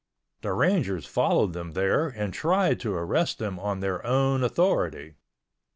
The Rangers followed them there and tried to arrest them on their own authority.